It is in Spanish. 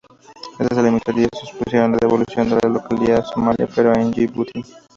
Estas eliminatorias supusieron la devolución de la localía a Somalia, pero en Yibuti.